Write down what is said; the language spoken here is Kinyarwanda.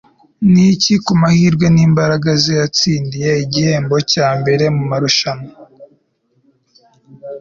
Niki kumahirwe nimbaraga ze yatsindiye igihembo cya mbere mumarushanwa